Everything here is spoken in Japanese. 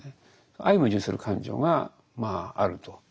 相矛盾する感情がまああると。